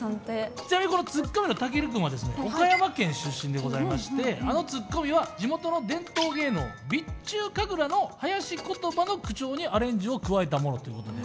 ちなみにこのツッコミのたける君はですね岡山県出身でございましてあのツッコミは地元の伝統芸能備中神楽のはやし言葉の口調にアレンジを加えたものということで。